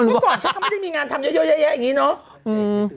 เมื่อก่อนฉันก็ไม่ได้มีงานทำเยอะแยะอย่างนี้เนาะ